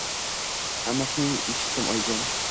Hammasini eshitdim, oyijon